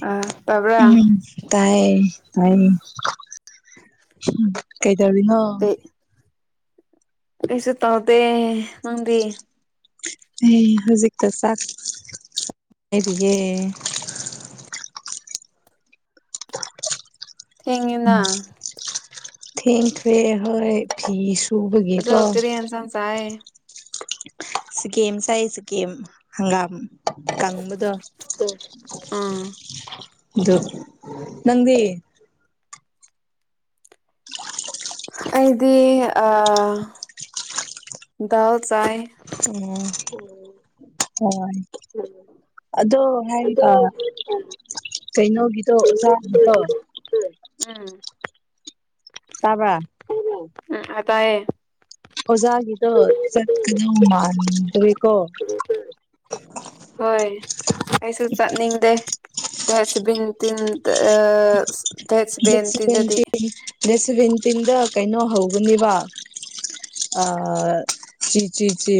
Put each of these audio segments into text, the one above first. ꯑꯥ ꯇꯥꯕ꯭ꯔꯥ ꯎꯝ ꯇꯥꯏ ꯇꯥꯏ ꯀꯩ ꯇꯔꯕꯤ ꯅ ꯑꯩꯁꯨ ꯇꯥꯎꯗꯦ ꯅꯪꯗꯤ ꯑꯦ ꯍꯧꯖꯤꯛꯇ ꯆꯥꯛ ꯂꯩꯔꯤꯌꯦ ꯊꯦꯡꯅ ꯊꯦꯪꯈꯔ꯭ꯦ ꯍꯣꯏ ꯐꯤꯁ ꯑꯗ ꯀꯔꯤ ꯍꯦꯟꯁꯪ ꯆꯥꯏꯁꯦ ꯁꯤꯀꯤꯝ ꯁꯥꯏ ꯁꯤꯀꯤꯝ ꯍꯪꯒꯥꯝ ꯇꯉꯕꯗꯣ ꯎꯝ ꯑꯗꯨ ꯅꯪꯗꯤ ꯑꯩꯗꯤ ꯑ ꯗꯜ ꯆꯥꯏ ꯎꯝ ꯎꯝ ꯍꯣꯏ ꯑꯗꯣ ꯍꯥꯏꯔꯒ ꯀꯩꯅꯣꯒꯤꯗꯣ ꯑꯣꯖꯥꯒꯤꯗꯣ ꯎꯝ ꯇꯥꯕ ꯑꯑ ꯇꯥꯏ ꯑꯣꯖꯒꯗꯣ ꯆꯠ ꯀꯗ ꯃꯥ ꯇꯔꯣ [unintelligible] ꯍꯣꯏ ꯀꯩꯁꯨ ꯆꯠꯅꯤꯡꯗꯦ ꯗꯦꯁꯕꯤꯟ ꯇꯤꯟ ꯁꯚꯦꯟꯇꯤꯡ ꯅꯦꯁꯚꯦꯟꯇꯤꯡꯗ ꯀꯩꯅꯣ ꯍꯧꯒꯅꯤꯕ ꯑ ꯆꯤ ꯆꯤ ꯆꯦ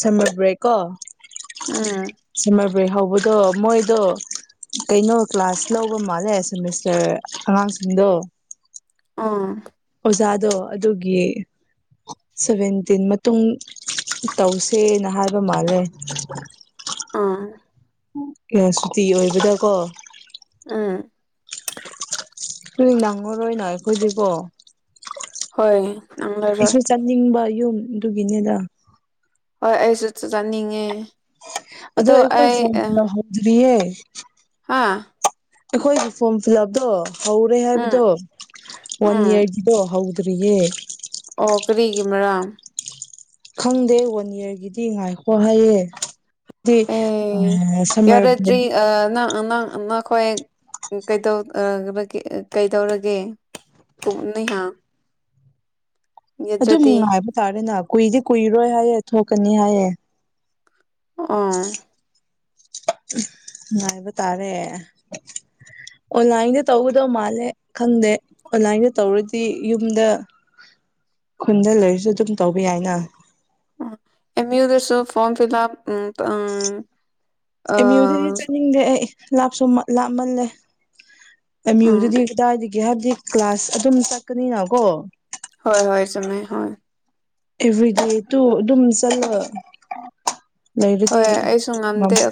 ꯁꯝꯃꯔ ꯕꯔꯦꯛꯀꯣ ꯎꯝ ꯁꯝꯃꯔ ꯕꯔꯦꯛ ꯍꯧꯕ ꯑꯗꯣ ꯃꯣꯏꯗꯣ ꯀꯩꯅꯣ ꯀ꯭ꯂꯥꯁ ꯂꯧꯕ ꯃꯥꯜꯂꯦ ꯁꯃꯤꯁꯇꯔ ꯑꯉꯥꯡꯁꯤꯡꯗꯣ ꯑꯥ ꯑꯣꯖꯥꯗꯣ ꯑꯗꯨꯒꯤ ꯁꯚꯦꯟꯇꯤꯟ ꯃꯇꯨꯡ ꯇꯧꯁꯦꯅ ꯍꯥꯏꯕ ꯃꯥꯜꯂꯦ ꯑꯥ ꯀꯌꯥ ꯁꯨꯇꯤ ꯑꯣꯏꯕꯗ ꯀꯣ ꯑꯥ ꯀ ꯂꯥꯡꯉꯔꯣꯏꯅ ꯑꯩꯈꯣꯏꯗꯤꯀꯣ ꯍꯣꯌ ꯅꯥꯉꯔꯣꯏ ꯑꯩꯁꯨ ꯆꯠꯅꯤꯡꯕ ꯌꯨꯝꯗꯨꯒꯤꯅꯤꯗ ꯍꯣꯏ ꯑꯩꯁꯨ ꯆꯥꯅꯤꯡꯉꯦ ꯑꯗꯣ ꯑꯩꯈꯣꯏ ꯐꯣꯟꯍꯗ꯭ꯔꯤꯌꯦ ꯍꯥꯥ ꯑꯩꯈꯣꯏꯒꯤ ꯐꯣꯔꯝ ꯐꯤꯜ ꯑꯞꯇꯣ ꯍꯧꯔꯦ ꯎꯝ ꯍꯥꯏꯕꯗꯣ ꯋꯥꯟ ꯎꯝ ꯌꯌꯥꯔ ꯗꯣ ꯍꯧꯗꯔꯤꯌꯦ ꯑꯣ ꯀꯔꯤꯒꯤ ꯃꯔ ꯈꯪꯗꯦ ꯋꯥꯟ ꯏꯌꯥꯔꯒꯤꯗꯤ ꯉꯥꯏꯈꯣ ꯍꯥꯏꯌꯦ ꯗꯤ ꯑ ꯑ ꯁꯝꯃꯔ ꯕ꯭ꯔꯦꯛ ꯌꯥꯔꯗ꯭ꯔꯤ ꯑ ꯍꯣꯏ ꯀꯩ ꯀꯩꯗꯧꯔꯒꯦ ꯅ ꯍꯥ ꯑꯗꯨꯝꯉꯥꯏꯕ ꯇꯥꯔꯦꯅꯦ ꯀꯨꯏꯗꯤ ꯀꯨꯏꯔꯣꯏ ꯍꯥꯏꯌꯦ ꯊꯣꯛꯀꯅꯤ ꯍꯥꯏꯌꯦ ꯑ ꯉꯥꯏꯕ ꯇꯥꯔꯦ ꯑꯣ ꯂꯥꯏꯗꯦ ꯇꯒꯗꯣ ꯃꯥꯂꯦ ꯈꯪꯗꯦ ꯑꯣꯟꯂꯥꯏꯟꯗ ꯇꯧꯔꯗꯤ ꯌꯨꯝꯗ ꯈꯨꯟꯗ ꯂꯩꯔꯁꯨ ꯑꯗꯨꯝ ꯇꯧꯕ ꯌꯥꯏꯅ ꯑꯦꯝꯌꯨꯟ ꯗꯁꯨ ꯐꯣꯔꯝ ꯐꯤꯜ ꯑꯞ ꯎ ꯎ ꯑ ꯃ꯭ꯌꯨꯗꯗꯤ ꯆꯠꯅꯤꯡꯗꯦ ꯑꯩ ꯂꯥꯞꯁꯨ ꯂꯥꯞꯃꯜꯂꯦ ꯑꯦꯝ ꯌꯨꯗꯨꯗꯤ ꯀꯗꯥꯏꯒꯦ ꯍꯥꯏꯕꯗꯤ ꯀ꯭ꯂꯥꯁ ꯑꯗꯨꯝ ꯆꯠꯀꯅꯤꯅ ꯀꯣ ꯍꯣꯏ ꯍꯣꯏ ꯆꯨꯝꯃꯦ ꯍꯣꯏ ꯑꯦꯕ꯭ꯔꯤꯗꯦ ꯇꯨ ꯑꯗꯨꯝ ꯆꯠꯂ ꯂꯩꯔꯗꯤ ꯍꯣꯏ ꯃꯃꯝ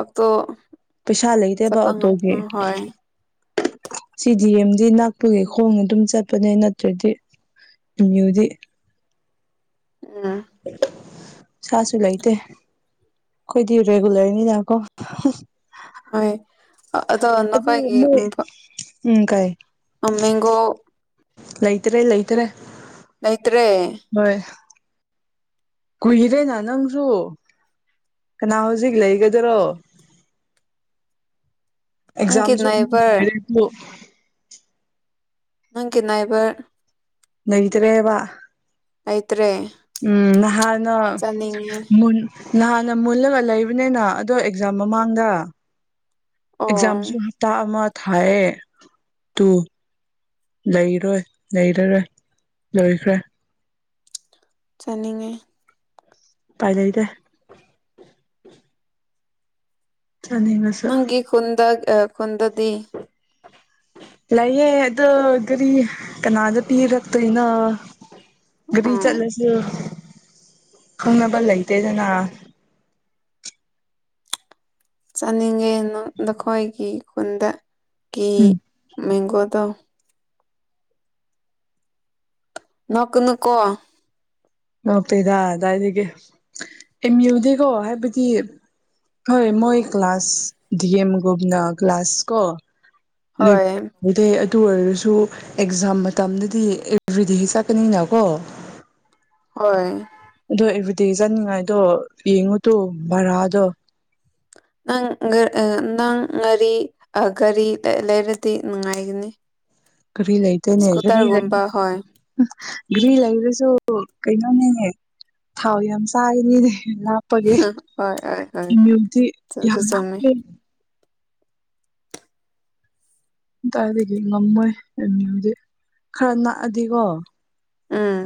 ꯑꯛꯇꯣ ꯄꯩꯁꯥꯩ ꯂꯩꯇꯦꯕ ꯑꯣꯇꯣꯒꯤ ꯁꯤ ꯗꯤ ꯑꯦꯝꯗꯤ ꯛꯄꯒꯤ ꯈꯣꯡ ꯑꯗꯨꯝ ꯆꯠꯄꯅꯦ ꯅꯠꯇ꯭ꯔꯗꯤ ꯃ꯭ꯌꯨꯗꯤ ꯎꯝ ꯁꯥꯁꯨ ꯂꯩꯇꯦ ꯑꯩꯈꯣꯏꯗꯤ ꯔꯦꯒꯨꯂꯔꯅꯤꯅ ꯀꯣ ꯍ ꯑꯗ ꯑꯗꯨ ꯅꯈꯥꯏꯒꯤ ꯃꯣꯏ ꯎꯝ ꯃꯦꯡꯒꯣ ꯂꯩꯇꯔꯦ ꯂꯩꯇꯔꯦ ꯅꯇ꯭ꯔꯦ ꯍꯣꯏ ꯀꯨꯏꯔꯦꯅ ꯅꯪꯁꯨ ꯀꯅꯥ ꯍꯧꯖꯤꯛ ꯂꯩꯒꯗꯔꯣ ꯅꯪꯒꯤ ꯑꯦꯛꯖꯝꯁꯨꯔꯦ ꯅꯥꯏꯕꯔ ꯅꯪꯒꯤ ꯅꯥꯏꯕꯔ ꯂꯩꯇ꯭ꯔꯦꯕ ꯂꯩꯇ꯭ꯔꯦ ꯎꯝ ꯅꯍꯥꯟꯅꯟ ꯆꯥꯅꯤꯡꯉꯦ ꯅꯍꯥꯟꯅ ꯃꯨꯜꯂꯒ ꯂꯩꯕꯅꯤꯅ ꯑꯗꯣ ꯑꯦꯛꯖꯥꯝ ꯃꯃꯥꯡꯗ ꯑꯦꯛꯖꯥꯝꯁꯨ ꯑꯣ ꯍꯞꯇꯥ ꯑꯃ ꯊꯥꯏꯌꯦ ꯇꯨ ꯂꯩꯔꯣꯏ ꯂꯩꯔꯔꯣꯏ ꯂꯣꯏꯈ꯭ꯔꯦ ꯆꯥꯅꯤꯡꯉꯦ ꯄꯥꯏ ꯂꯩꯗꯦ [unintelligible] ꯆꯅꯤꯡꯔ ꯅꯪꯒꯤ ꯈꯨꯟꯗ ꯈꯨꯟꯗꯗꯤ ꯂꯩꯌꯦ ꯑꯗꯣ ꯒꯥꯔꯤ ꯀꯅꯥꯗ ꯄꯤꯔ ꯀꯩꯅꯣ ꯒꯥꯔꯤ ꯎꯝ ꯆꯠꯂꯁꯦ ꯈꯪꯅꯕ ꯂꯩꯇꯦꯗꯅꯥ ꯆꯥꯅꯤꯡꯉꯦ ꯅꯈꯣꯏꯒꯤ ꯈꯨꯟ ꯀꯤ ꯎꯝ ꯃꯦꯡꯒꯣꯗꯣ ꯅꯛ ꯅꯨꯀꯣ ꯉꯉꯇꯩꯗ ꯑꯗꯨꯗꯥꯏꯗꯒꯤ ꯑꯦꯝ ꯌꯨꯗꯤꯀꯣ ꯍꯥꯏꯕꯗꯤ ꯍꯣꯏ ꯃꯣꯏ ꯀ꯭ꯂꯥꯁ ꯑꯦꯝꯒꯨꯨꯞꯅ ꯀ꯭ꯂꯥꯁ ꯀꯣ ꯍꯣꯏ ꯑꯗꯨꯗꯩ ꯑꯗꯨ ꯑꯣꯏꯔꯁꯨ ꯑꯦꯛꯖꯥꯝ ꯃꯇꯝꯗꯗꯤ ꯑꯦꯕ꯭ꯔꯤꯗꯦꯁꯤ ꯆꯠꯀꯅꯤꯅꯀꯣ ꯍꯣꯏ ꯑꯗꯣ ꯑꯦꯚ꯭ꯔꯤꯗꯦ ꯆꯠꯅꯤꯡꯉꯥꯏꯗꯣ ꯌꯦꯡꯉꯨ ꯇꯣ ꯚꯔꯥꯗꯣ ꯅꯪ ꯅꯪ ꯉꯔꯤ ꯒꯥꯔꯤ ꯂꯩꯔꯗꯤ ꯅꯨꯡꯉꯥꯏꯒꯅꯤ ꯀꯔꯤ ꯂꯩꯇꯦꯅꯦ ꯀꯔꯤ ꯂꯩ ꯏꯁꯀꯨꯇꯔꯒꯨꯝꯕ ꯍꯣꯏ ꯘ꯭ꯔꯤ ꯂꯩꯔꯁꯨ ꯀꯩꯅꯣꯅꯦ ꯊꯥꯎ ꯌꯥꯝ ꯆꯥꯏꯅꯤꯅꯦ ꯍꯥꯞꯄꯒꯦ ꯍꯣꯏ ꯍꯣꯏ ꯍꯣꯏ ꯏꯃ꯭ꯌꯨꯟꯇꯤ ꯌꯥꯝ ꯆꯨꯝꯁꯨ ꯆꯨꯝꯃꯤ ꯂꯥꯞꯄꯦ ꯑꯗꯥꯏꯗꯒꯤ ꯉꯝꯃꯣꯏ ꯑꯦꯝ ꯌꯨ ꯗꯤ ꯈꯔ ꯅꯛꯑꯗꯤꯀꯣ ꯑꯥ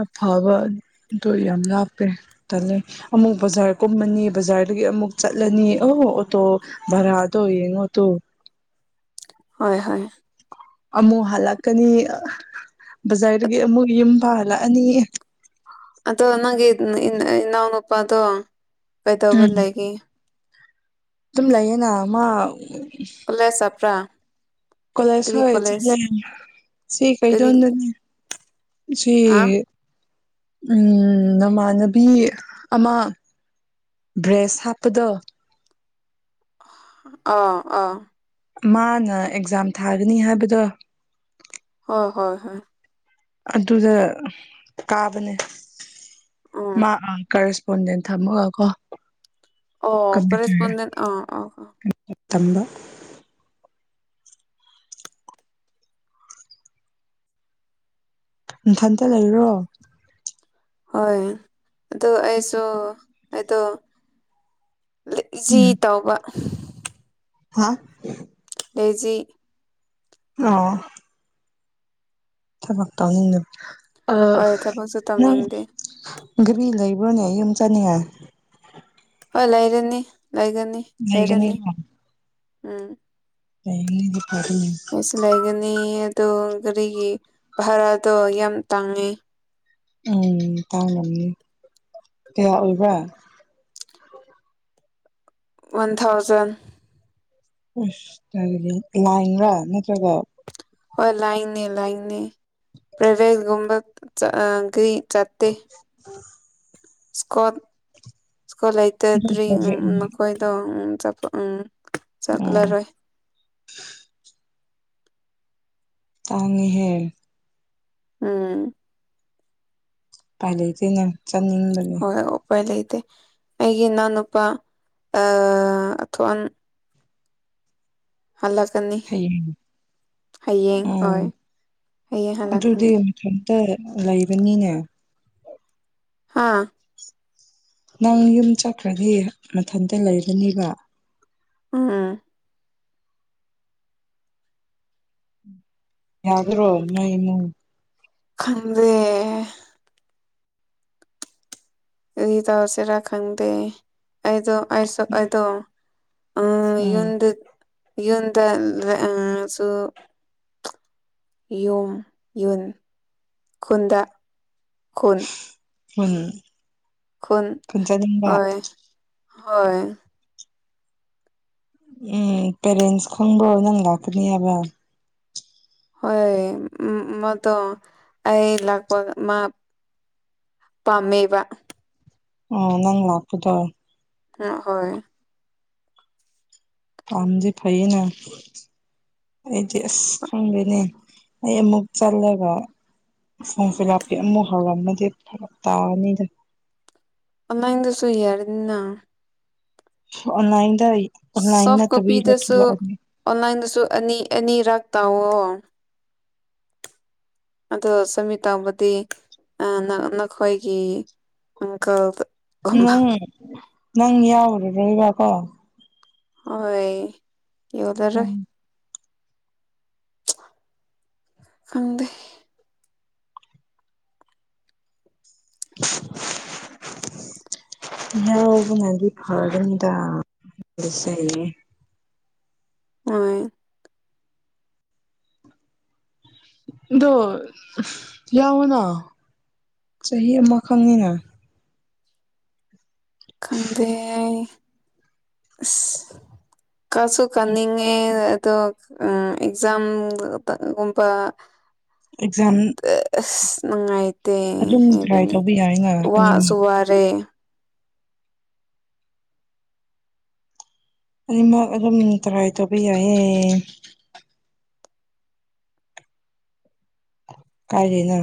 ꯑꯐꯕꯗꯣ ꯌꯥꯝ ꯂꯥꯞꯄꯦ ꯇꯜꯂꯦ ꯑꯃꯨꯛ ꯕꯖꯥꯔ ꯀꯨꯝꯃꯅꯤ ꯕꯖꯥꯔꯗꯒꯤ ꯑꯃꯨꯛ ꯆꯠꯂꯅꯤ ꯑꯣ ꯑꯣꯇꯣ ꯚꯔꯥꯗꯣ ꯌꯦꯡꯉꯣ ꯇꯨ ꯍꯣꯏ ꯍꯣꯏ ꯑꯃꯨꯛ ꯍꯜꯂꯛꯀꯅꯤ ꯕꯖꯥꯔꯗꯒꯤ ꯑꯃꯨꯛ ꯌꯨꯝ ꯐ ꯍꯜꯂꯛꯑꯅꯤ ꯑꯗꯣ ꯅꯪꯒꯤ ꯏꯅꯥꯎꯅꯨꯄꯥꯗꯣ ꯀꯩꯗꯧꯕ ꯎꯝ ꯂꯩꯒꯦ ꯑꯗꯨꯝ ꯂꯩꯌꯦꯅ ꯃꯥ ꯀꯣꯂꯦꯖ ꯆꯠꯄ꯭ꯔꯥ ꯀꯣꯂꯦꯖ ꯀꯔꯤ ꯍꯣꯏ ꯀꯣꯂꯦꯖ ꯆꯠꯂꯦ ꯁꯤ ꯀꯔꯤ ꯀꯩꯗꯧꯗꯣꯅꯦ ꯁꯤ ꯑ ꯎꯝ ꯅꯃꯥꯟꯅꯕꯤ ꯑꯃ ꯕ꯭ꯔꯦꯁ ꯍꯥꯞꯄꯗꯣ ꯑ ꯑ ꯃꯥꯅ ꯑꯦꯛꯖꯥꯝ ꯊꯥꯒꯅꯤ ꯍꯥꯏꯕꯗꯣ ꯍꯣꯏ ꯍꯣꯏ ꯍꯣꯏ ꯑꯗꯨꯗ ꯀꯥꯕꯅꯦ ꯎꯝ ꯃꯥ ꯀꯔ ꯐꯣꯟꯖꯦꯟ ꯊꯝꯃꯒ ꯀꯣ ꯑꯣ ꯀꫪꯦꯁꯄꯣꯟꯗꯦꯟ ꯑꯥ ꯑ ꯊꯝꯕ ꯅꯊꯟꯇ ꯂꯩꯔꯤꯔꯣ ꯍꯣꯏ ꯑꯗꯣ ꯑꯩꯁꯨ ꯑꯩꯗꯣ ꯖꯤ ꯎꯝ ꯇꯧꯕ ꯍꯥ ꯂꯩꯖꯤ ꯑꯥ ꯊꯕꯛ ꯇꯧꯅꯤꯡꯗꯕ ꯑ ꯍꯣꯏ ꯊꯕꯛꯁꯨ ꯅꯪ ꯇꯧꯅꯤꯡꯗꯦ ꯘꯔꯤ ꯂꯩꯕ꯭ꯔꯣꯅꯦ ꯌꯨꯝ ꯆꯠꯅꯤꯡꯉꯥꯏ ꯍꯣꯏ ꯂꯩꯔꯅꯤ ꯂꯩꯒꯅꯤ ꯂꯩꯔꯅꯤ ꯂꯩꯒꯅꯤꯀꯣ ꯎꯝ ꯂꯩꯅꯦꯗꯤ ꯐꯔ ꯀꯩꯁꯨ ꯂꯩꯒꯅꯤ ꯑꯗꯣ ꯒꯥꯔꯤꯒꯤ ꯚꯔꯥꯗꯣ ꯌꯥꯝ ꯇꯥꯡꯉꯦ ꯎꯝ ꯇꯥꯡꯃꯅꯤ ꯀꯌꯥ ꯑꯣꯏꯕ꯭ꯔꯥ ꯋꯥꯟ ꯊꯥꯎꯖꯟ ꯑꯁ ꯍꯥꯏꯗꯤ ꯂꯥꯏꯔꯥ ꯅꯠꯇ꯭ꯔꯒ ꯍꯣꯏ ꯂꯥꯏꯅꯦ ꯂꯥꯏꯅꯦ ꯄ꯭ꯔꯥꯏꯚꯦꯠꯒꯨꯝꯕ ꯆꯠꯇꯦ ꯑ ꯏꯁꯀꯣ ꯏꯁꯀꯣ ꯂꯩꯇꯗ꯭ꯔꯤ ꯄ꯭ꯔꯣꯖꯦꯛꯅꯤ ꯃꯈꯣꯏꯗꯣ ꯎ ꯎꯝ ꯆꯠꯂꯔꯣꯏ ꯇꯥꯡꯉꯤꯍꯦ ꯎꯝ ꯄꯥꯏ ꯂꯩꯇꯦ ꯅ ꯆꯠꯅꯤꯡꯕꯒꯤ ꯍꯣꯏ ꯎꯄꯥꯏ ꯂꯩꯇꯦ ꯑꯩꯒꯤ ꯏꯅꯥꯎꯅꯨꯄꯥ ꯑꯊꯋꯥꯥꯟ ꯍꯜꯂꯀꯅꯤ ꯍꯌꯦꯡ ꯎ ꯍꯣꯏ ꯍꯌꯦꯡ ꯑꯗꯨꯗꯤ ꯍꯜꯂꯛꯀꯅꯤ ꯀꯦꯝꯇ ꯂꯩꯕꯅꯤꯅꯦ ꯍꯥꯥ ꯅꯪ ꯌꯨꯝ ꯆꯠꯈ꯭ꯔꯗꯤ ꯃꯊꯟꯇ ꯂꯩꯔꯅꯤꯕ ꯑꯥ ꯌꯥꯎ꯭ꯔꯣ ꯅꯣꯏ ꯅ ꯈꯗꯦ ꯑꯗꯨ ꯇꯎꯁꯤꯦꯔꯥ ꯈꯪꯗꯦ ꯑꯩꯗꯣ ꯑꯩꯁꯨ ꯑꯩꯗꯣ ꯑ ꯎꯝ ꯌꯗ ꯌꯗ ꯁꯣ ꯌꯨꯝ ꯌꯨꯟ ꯈꯨꯟꯗ ꯈꯨꯟ ꯍꯣꯏ ꯈꯣꯟ ꯍꯣꯏ ꯍꯣꯏ ꯎꯝ ꯄꯦꯔꯦꯟꯁ ꯈꯪꯕ ꯅꯪ ꯂꯥꯛꯀꯅꯤꯕ ꯍꯣꯏ ꯎ ꯃꯗꯨꯣ ꯑꯩ ꯂꯥꯛꯄ ꯃꯥ ꯄꯝꯕ ꯑꯣ ꯅꯪ ꯂꯥꯛꯄꯗꯣ ꯣꯏ ꯊꯝꯗꯤ ꯐꯩꯅꯦ ꯑꯩꯗꯤ ꯑꯁ ꯈꯪꯗꯅꯦ ꯑꯩ ꯑꯃꯨꯛ ꯆꯠꯂꯒ ꯁꯣꯡꯁꯦ ꯥꯄꯤ ꯑꯃꯨꯛ ꯍꯧꯥꯎꯔꯝꯃꯗꯤ ꯐꯔꯛ ꯇꯥꯔꯅꯤꯗ ꯑꯣꯟꯂꯥꯏꯟꯗꯁꯨ ꯏꯔꯅꯤꯅꯥ ꯑꯣꯟꯂꯥꯏꯟꯗ ꯑꯣꯟꯂꯥꯏꯟ ꯁꯣꯐ ꯇꯕꯤ ꯀꯣꯄꯤꯗꯁꯨ ꯑꯣꯟꯂꯥꯏꯟꯗꯁꯨ ꯑꯅꯤ ꯑꯅꯤꯔꯥꯛ ꯇꯥꯋꯣ ꯑꯗꯣ ꯆꯃꯤ ꯇꯥꯎꯕꯗꯤ ꯅꯈꯣꯏꯒꯤ ꯑꯀ ꯅꯪ ꯅꯪ ꯌꯥꯎꯔꯨꯔꯣ ꯏꯕꯀꯣ ꯍꯣꯏ ꯌꯎꯗꯔ ꯎꯝ ꯈꯪꯗꯦ [unintelligible] ꯏꯕꯨ ꯃꯗꯤ ꯐꯥꯔꯅꯤꯗ ꯁ ꯍ ꯑꯗꯣ ꯌꯥꯋꯅ ꯆꯍꯤ ꯑꯃꯈꯛꯅꯤꯅ ꯀꯗꯦ ꯀꯁꯨ ꯀꯅꯤꯡꯉ ꯑꯣ ꯑꯦꯛꯖꯥꯝꯒꯕ ꯑꯦꯛꯖꯥꯝ ꯑꯁ ꯅꯨꯡꯉꯥꯏꯇꯦ ꯑꯗꯨꯝ ꯇ꯭ꯔꯥꯏ ꯍꯥꯏꯕꯅꯦ ꯇꯧꯕ ꯌꯥꯏꯅ ꯋꯥꯁꯨ ꯑꯅꯤꯃꯛ ꯋꯥꯔꯦ ꯑꯅꯤꯃꯛ ꯑꯗꯨꯝ ꯇꯔꯥꯏ ꯇꯧꯕ ꯌꯥꯏꯌꯦꯦ ꯀꯥꯏꯖꯅ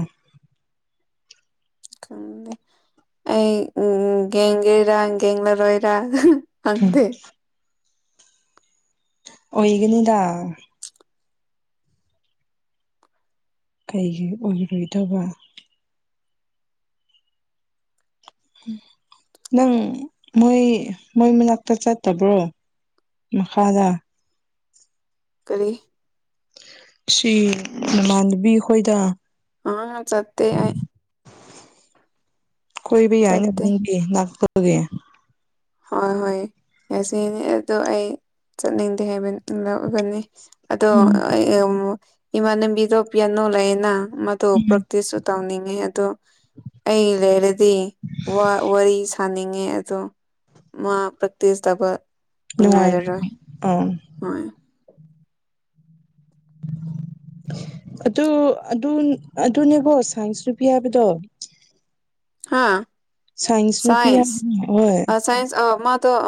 ꯈꯪꯗꯦ ꯑꯩ ꯌꯦꯡꯒꯦꯔꯥ ꯌꯦꯡꯂꯦꯡꯂꯔꯣꯏꯔ ꯎꯝ ꯑꯣꯏꯒꯅꯤꯗꯥ ꯀꯩꯒꯤ ꯑꯣꯏꯔꯣꯏꯗꯕ ꯅꯪ ꯃꯣꯏ ꯃꯣꯏ ꯃꯅꯥꯛꯇ ꯆꯠꯇꯕ꯭ꯔꯣ? ꯃꯈꯥꯗꯥ ꯀꯔꯤ ꯁꯤ ꯅꯃꯥꯟꯅꯕꯤ ꯑꯩꯈꯣꯏꯗ ꯉꯔꯪ ꯆꯠꯇꯦ ꯑꯩ ꯀꯣꯏꯕ ꯌꯥꯏ ꯉ ꯆꯠꯇꯦ ꯅꯪꯒꯤ ꯂꯥꯛꯇꯕꯒꯦ ꯍꯣꯏ ꯍꯣꯏ ꯉꯥꯁꯤꯅꯤ ꯑꯗꯣ ꯑꯩ ꯆꯠꯅꯤꯡꯗꯦ ꯍꯥꯏꯕ ꯂꯧꯒꯅꯤ ꯑꯗꯣ ꯎꯝ ꯏꯃꯥꯟꯅꯕꯤꯗꯣ ꯄꯌꯥꯅꯣ ꯂꯩꯌꯦꯅ ꯃꯗꯨ ꯄ꯭ꯔꯛꯇꯤꯁ ꯇꯧꯅꯤꯡꯉꯦ ꯑꯗꯣ ꯑꯩ ꯂꯩꯔꯗꯤ ꯋꯥꯔꯤ ꯁꯥꯅꯤꯡꯉꯦ ꯑꯗꯣ ꯃꯥ ꯄ꯭ꯔꯛꯇꯁ ꯗꯕ ꯅꯨꯡꯉꯥꯏꯔ ꯑꯥ ꯍꯣꯏ ꯑꯗꯨ ꯑꯗꯨ ꯑꯗꯨꯅꯦꯕꯣ ꯁꯥꯏꯟꯁ ꯅꯨꯨꯄꯤ ꯍꯥꯏꯕꯗꯣ ꯍꯥ ꯅꯨꯄꯤ ꯁꯥꯏꯟꯁ ꯍꯥꯏꯕ ꯍꯣꯏ ꯑ ꯁꯥꯏꯟ ꯑ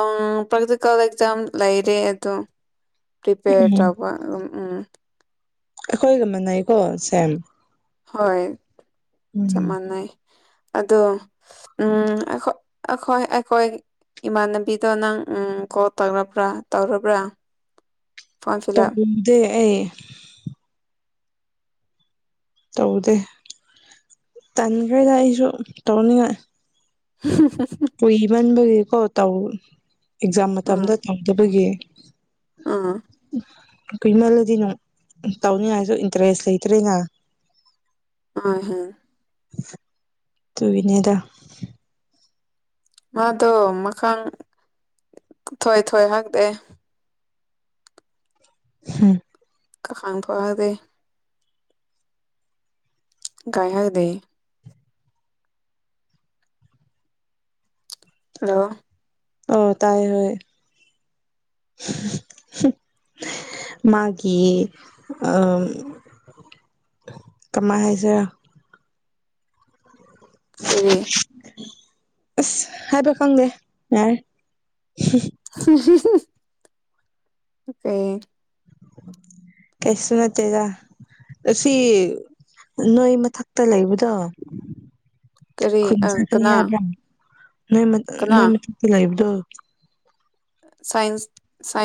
ꯑꯣ ꯄ꯭ꯔꯦꯛꯇꯤꯀꯦꯜ ꯑꯦꯛꯖꯥꯝ ꯂꯩꯔꯦ ꯑꯗꯣ ꯄ꯭ꯔꯤꯄꯦꯌꯔ ꯎꯝ ꯇꯧꯕ ꯑꯗꯨꯝ ꯎꯝ ꯑꯩꯈꯣꯏꯒ ꯃꯅꯩꯀꯣ ꯁꯦꯝ ꯍꯣꯏ ꯆꯞ ꯎꯝ ꯃꯥꯟꯅꯩ ꯑꯗꯣ ꯎꯝ ꯑꯈꯣꯏ ꯑꯩꯈꯣꯏ ꯑꯩꯈꯣꯏ ꯏꯃꯥꯟꯅꯕꯤꯗꯣ ꯅꯪ ꯀꯣꯜ ꯇꯧꯔꯕ꯭ꯔꯥ ꯇꯧꯔꯕ꯭ꯔꯥ ꯐꯣꯔꯝ ꯐꯤꯜ ꯑꯞ ꯇꯥꯎꯗꯦ ꯑꯩ ꯇꯧꯗꯦ ꯇꯟꯈ꯭ꯔꯗ ꯑꯩꯁꯨ ꯇꯧꯅꯤꯡꯉꯥꯏ [unintelligible] ꯀꯨꯏ ꯃꯟꯕꯒꯤꯀꯣ ꯇꯧ ꯑꯦꯛꯖꯥꯝ ꯎꯝ ꯃꯇꯝꯗ ꯇꯧꯗꯕꯒꯤ ꯎꯝ ꯀꯨꯃꯜꯂꯗꯤ ꯇꯧꯅꯤꯉꯥꯏꯁꯨ ꯏꯟꯇꯔꯦꯁ ꯂꯩꯇ꯭ꯔꯦꯅ [inaudible] ꯍꯣꯏ ꯍꯣꯏ ꯇꯨ ꯏꯅꯦꯗ ꯃꯥꯗꯣ ꯃꯈꯪ ꯊꯣꯏ ꯊꯣꯏ ꯍꯪꯇꯑꯦ ꯍꯝ ꯀ ꯈꯥꯡ ꯐꯗ [unintelligible] ꯀꯥꯏ ꯍꯥꯏꯗꯤ [unintelligible] ꯍꯜꯂꯣ ꯑꯣ ꯇꯥꯏ ꯍꯥꯏ ꯃꯥꯒꯤ ꯑꯥ ꯀꯃꯥꯏ ꯍꯥꯏꯁꯦ ꯀꯔꯤ ꯑꯁ ꯍꯥꯏꯕ ꯈꯪꯗꯦ ꯌꯥꯔꯦ ꯍꯨꯝ ꯍꯨꯝ ꯀꯩ ꯀꯩꯁꯨ ꯅꯥꯠꯇꯦꯗꯥ ꯉꯁꯤ ꯅꯣꯏ ꯃꯊꯛꯇ ꯂꯩꯕꯗꯣ ꯀꯔꯤ ꯈꯨꯟ ꯆꯥꯛꯀꯅꯤ ꯀꯅꯥ ꯌꯥꯕ꯭ꯔꯥ ꯅꯣꯏ ꯀꯅꯥ ꯅꯣꯏ ꯃꯊꯛꯇ ꯂꯩꯕꯗꯣ ꯁꯥꯏꯌꯨꯁ